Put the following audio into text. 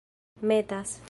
metas